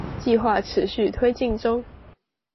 計畫持續推進中